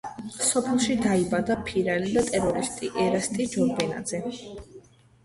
სოფელში დაიბადა ფირალი და ტერორისტი ერასტი ჯორბენაძე.